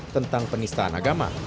tentang penistaan agama